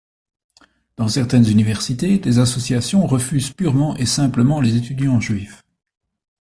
Dans certaines universités, les associations refusent purement et simplement les étudiants juifs.